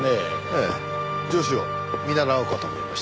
ええ上司を見習おうかと思いまして。